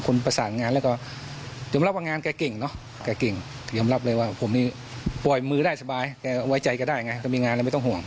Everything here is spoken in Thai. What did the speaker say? ใครก็ทำใจแบบใดเหมือนกันนะ